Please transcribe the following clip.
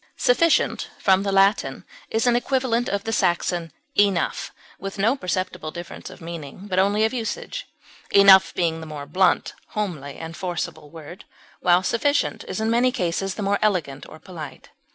Sufficient, from the Latin, is an equivalent of the Saxon enough, with no perceptible difference of meaning, but only of usage, enough being the more blunt, homely, and forcible word, while sufficient is in many cases the more elegant or polite.